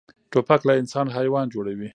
توپک له انسان حیوان جوړوي.